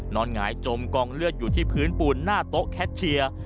หงายจมกองเลือดอยู่ที่พื้นปูนหน้าโต๊ะแคทเชียร์